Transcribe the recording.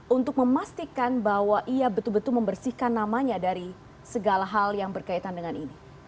untuk memastikan bahwa ia betul betul membersihkan namanya dari segala hal yang berkaitan dengan ini